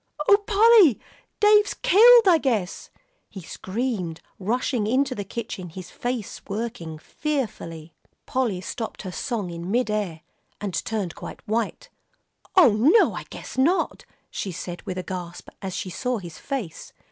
"Oh, Polly, Dave's killed, I guess," he screamed, rushing into the kitchen, his face working fearfully. Polly stopped her song in mid air, and turned quite white. "Oh, no, I guess not," she said with a gasp, as she saw his face.